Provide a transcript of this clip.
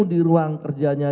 di ruang kerjanya